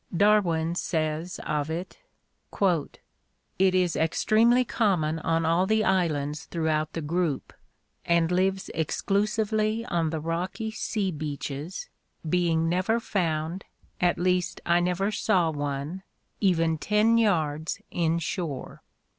Darwin says of it: "It is extremely common on all the islands throughout the group, and lives exclusively on the rocky sea beaches, being never found, at least I never saw one, even ten yards in shore.